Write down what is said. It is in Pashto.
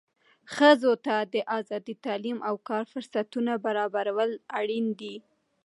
ښځو ته د آزادۍ، تعلیم او کار فرصتونه برابرول اړین دي.